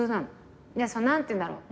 何ていうんだろう